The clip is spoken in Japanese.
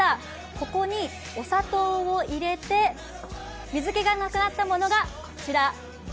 ここにお砂糖を入れて、水けがなくなったものがこちら。